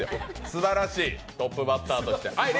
すばらしいトップバッターとして。